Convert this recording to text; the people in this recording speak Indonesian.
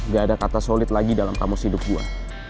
gak ada kata solid lagi dalam kamus hidup gue